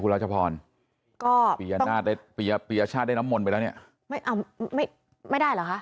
คุณราชพรก็ปริยาชาติได้น้ำมนต์ไปแล้วเนี้ยไม่ไม่ไม่ได้เหรอคะ